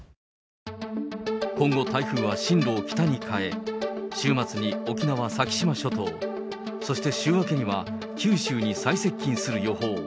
今後、台風は進路を北に変え、週末に沖縄・先島諸島、そして週明けには、九州に最接近する予報。